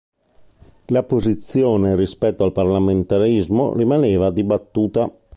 La posizione rispetto al parlamentarismo, rimaneva dibattuta.